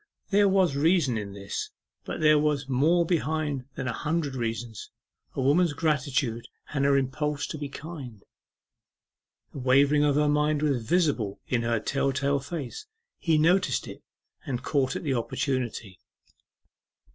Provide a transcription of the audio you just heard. There was reason in this. But there was more behind than a hundred reasons a woman's gratitude and her impulse to be kind. The wavering of her mind was visible in her tell tale face. He noticed it, and caught at the opportunity.